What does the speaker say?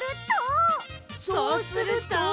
そうすると。